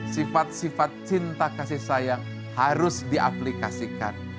sifat sifat cinta kasih sayang harus diaplikasikan